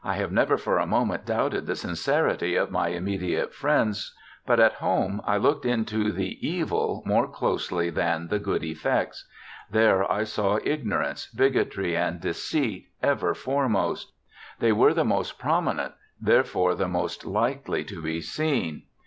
1 ha\% never for a moment doubted the sincerity of my immediate friends, but at home I looked into the evil more closely than the good effects— there I saw igno rance, bigotry, and deceit ever foremost ; they were the most prominent, therefore the most likely to be seen.